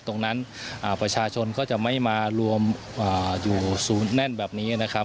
ตรงนั้นประชาชนก็จะไม่มารวมอยู่สูงแน่นแบบนี้นะครับ